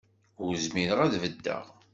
Ur zmireɣ ad beddeɣ.